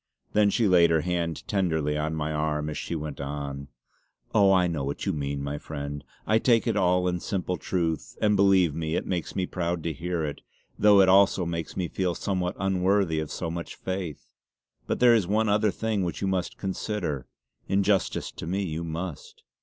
Then she laid her hand tenderly on my arm as she went on: "Oh, I know what you mean, my friend. I take it all in simple truth; and believe me it makes me proud to hear it, though it also makes me feel somewhat unworthy of so much faith. But there is one other thing which you must consider. In justice to me you must."